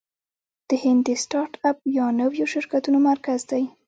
هند د سټارټ اپ یا نویو شرکتونو مرکز دی.